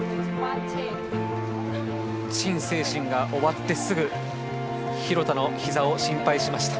陳清晨が終わってすぐ廣田のひざを心配しました。